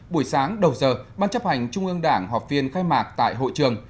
buổi sáng đầu giờ ban chấp hành trung ương đảng họp phiên khai mạc tại hội trường